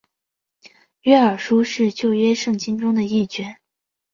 约珥书是旧约圣经中的一卷。